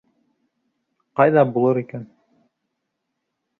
Ҡайҙа булыр икән?